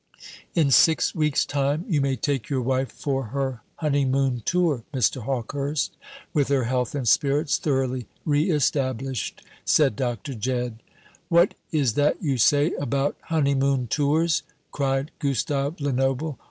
"In six weeks' time you may take your wife for her honeymoon tour, Mr. Hawkehurst, with her health and spirits thoroughly re established," said Dr. Jedd. "What is that you say about honeymoon tours?" cried Gustave Lenoble.